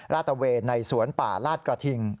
ตะเวนในสวนป่าลาดกระทิง